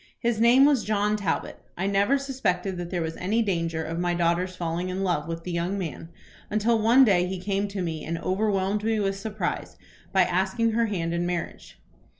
His name was John Talbot. I never suspected that there was any danger of my daughter's falling in love with the young man, until one day he came to me and overwhelmed me with surprise by asking her hand in marriage.